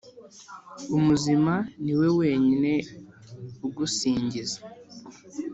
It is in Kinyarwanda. Umuzima, ni we wenyine ugusingiza,